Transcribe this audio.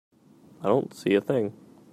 I don't see a thing.